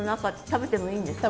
食べてもいいです。